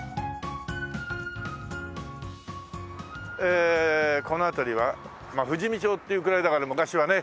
ええこの辺りはまあ富士見町っていうぐらいだから昔はね